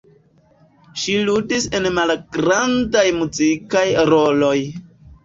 Ŝi ludis en malgrandaj muzikaj roloj.